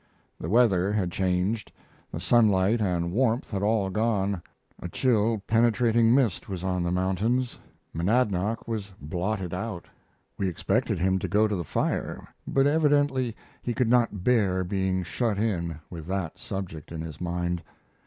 The weather had changed: the sunlight and warmth had all gone; a chill, penetrating mist was on the mountains; Monadnock was blotted out. We expected him to go to the fire, but evidently he could not bear being shut in with that subject in his mind.